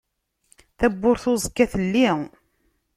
Tabburt uẓekka telli.